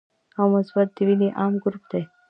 او مثبت د وینې عام ګروپ دی